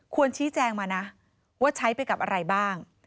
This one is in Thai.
ชี้แจงมานะว่าใช้ไปกับอะไรบ้าง